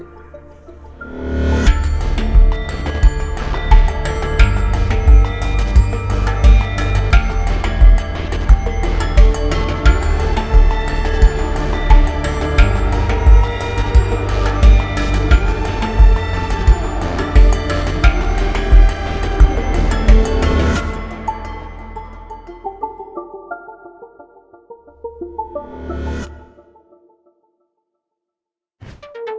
ถ้ามันยังเป็นปัญหาแบบนี้ต่อไป